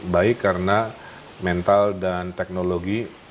baik karena mental dan teknologi